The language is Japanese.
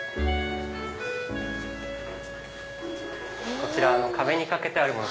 こちら壁に掛けてあるもの